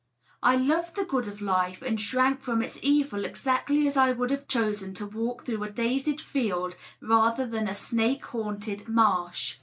I loved the good of life and shrank from its evil exactly as I would have chosen to walk through a daisied field rather than a snake haunted 654 DOUGLAS DUANE. marsh.